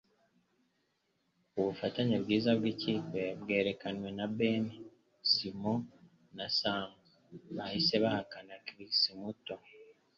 Ubufatanye bwiza bwikipe bwerekanwe na Ben, Simon na Sam bahise bahakana Chris muto.